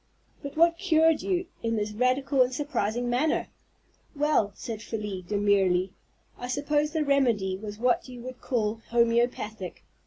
"But what cured you in this radical and surprising manner?" "Well," said Felie, demurely, "I suppose the remedy was what you would call homeopathic.